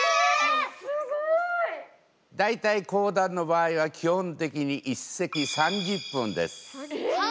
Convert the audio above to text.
すごい！大体講談の場合は基本的に一席３０分です。